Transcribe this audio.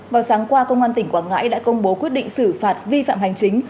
vào sáng qua công an tỉnh quảng ngãi đã công bố quyết định xử phạt vi phạm hành chính